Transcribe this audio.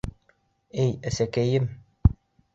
Эй, әсәкәйем.